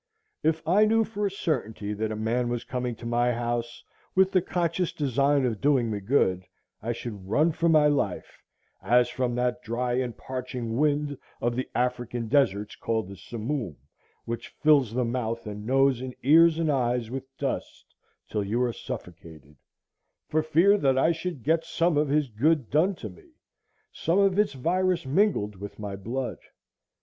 If I knew for a certainty that a man was coming to my house with the conscious design of doing me good, I should run for my life, as from that dry and parching wind of the African deserts called the simoom, which fills the mouth and nose and ears and eyes with dust till you are suffocated, for fear that I should get some of his good done to me,—some of its virus mingled with my blood.